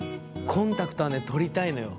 コンタクトはね取りたいのよ。